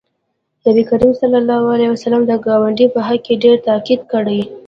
نبي کریم صلی الله علیه وسلم د ګاونډي په حق ډېر تاکید کړی